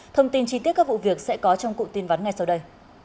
thông tin chi tiết các vụ việc sẽ có trong cụm tin vắn ngay sau đây